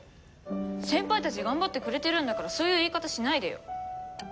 先輩たち頑張ってくれてるんだからそういう言い方しないでよ！